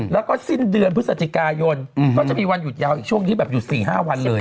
แล้วก็สิ้นเดือนพฤศจิกายนก็จะมีวันหยุดยาวอีกช่วงที่แบบหยุด๔๕วันเลย